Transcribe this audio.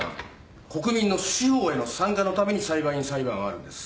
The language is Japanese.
国民の司法への参加のために裁判員裁判はあるんです。